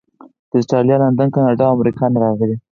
د اسټرالیا، لندن، کاناډا او امریکې نه راغلي.